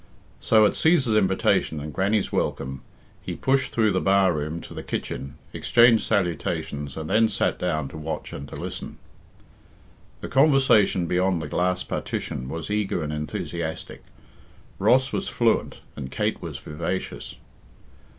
So, at Cæsar's invitation and Grannie's welcome, he pushed through the bar room to the kitchen, exchanged salutations, and then sat down to watch and to listen. The conversation beyond the glass partition was eager and enthusiastic. Ross was fluent and Kate was vivacious.